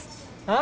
あ！？